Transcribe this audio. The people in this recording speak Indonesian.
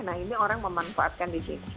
nah ini orang memanfaatkan di sini